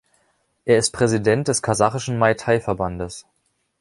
Er ist Präsident des kasachischen Muay Thai-Verbandes.